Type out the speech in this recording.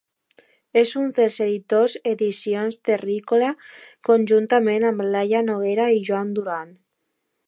És un dels editors d'Edicions Terrícola, conjuntament amb Laia Noguera i Joan Duran.